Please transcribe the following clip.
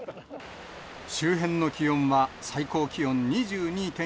周辺の気温は、最高気温２２．１度。